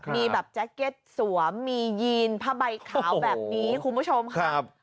มีแบบแจ็คเก็ตสวมมียีนผ้าใบขาวแบบนี้คุณผู้ชมค่ะ